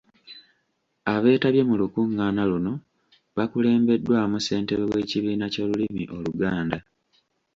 Abeetabye mu lukungaana luno bakulembeddwamu ssentebe w’ekibiina ky’olulimi Oluganda.